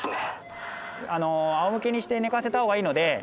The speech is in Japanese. あのあおむけにして寝かせた方がいいので。